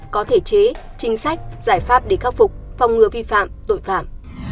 có thể chế chính sách giải pháp để khắc phục phòng ngừa vi phạm tội phạm